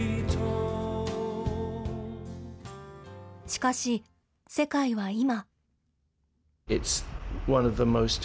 しかし、世界は今。